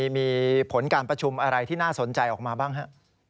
มีผลการประชุมอะไรที่น่าสนใจออกมาบ้างฮะ